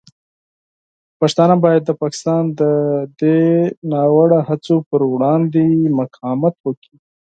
پښتانه باید د پاکستان د دې ناوړه هڅو پر وړاندې مقاومت وکړي.